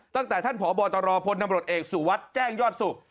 ตั้งแต่ท่านผบตรพนเอกสุวัตรแจ้งยอดสุข